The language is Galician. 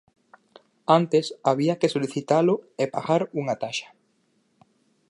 Antes había que solicitalo e pagar unha taxa.